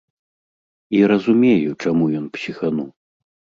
І разумею, чаму ён псіхануў.